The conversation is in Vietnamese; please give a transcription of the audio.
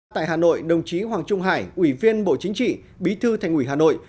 tại hà nội đồng chí hoàng trung hải ủy viên bộ chính trị bí thư thành ủy hà nội